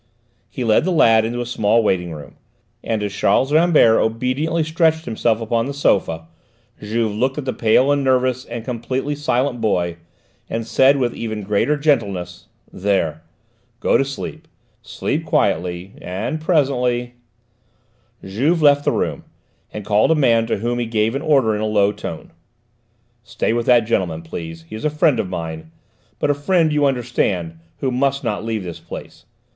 He led the lad into a small waiting room, and as Charles Rambert obediently stretched himself upon the sofa, Juve looked at the pale and nervous and completely silent boy, and said with even greater gentleness: "There, go to sleep; sleep quietly, and presently " Juve left the room, and called a man to whom he gave an order in a low tone. "Stay with that gentleman, please. He is a friend of mine, but a friend, you understand, who must not leave this place.